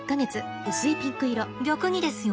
逆にですよ。